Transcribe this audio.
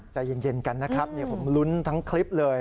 ใจเย็นกันนะครับผมลุ้นทั้งคลิปเลย